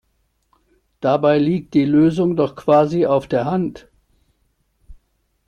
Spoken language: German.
Dabei liegt die Lösung doch quasi auf der Hand!